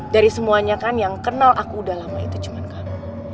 dari semuanya kan yang kenal aku udah lama itu cuma kamu